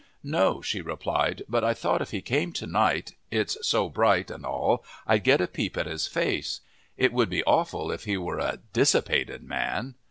"No," she replied; "but I thought, if he came to night, it's so bright and all, I'd get a peep at his face. It would be awful if he were a dissipated man!"